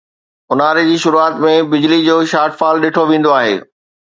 اونهاري جي شروعات ۾ بجلي جو شارٽ فال ڏٺو ويندو آهي